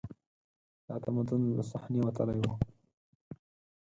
دا تمدن له صحنې وتلی و